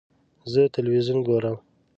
زه تلویزیون ګورم.